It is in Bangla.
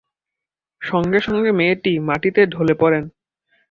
সঙ্গে সঙ্গে মেয়েটি মাটিতে ঢলে পড়েন।